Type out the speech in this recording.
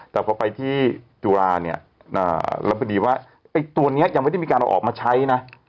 แต่พอไปที่จุฬาเนี่ยรับพอดีว่าไอ้ตัวนี้ยังไม่ได้มีการเอาออกมาใช้นะ